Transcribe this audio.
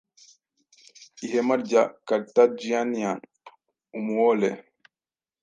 Ihema rya Carthaginian, umuore